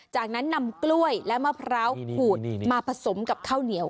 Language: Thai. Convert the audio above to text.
จากนั้นนำกล้วยและมะพร้าวขูดมาผสมกับข้าวเหนียว